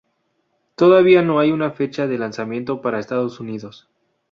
Todavía no hay una fecha de lanzamiento para Estados Unidos.